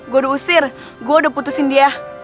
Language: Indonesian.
gue udah usir gue udah putusin dia